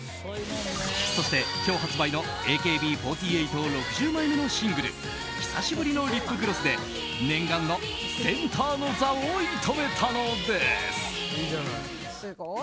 そして、今日発売のＡＫＢ４８、６０枚目のシングル「久しぶりのリップグロス」で念願のセンターの座を射止めたのです。